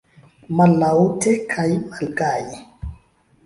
Mallaŭte kaj malgaje.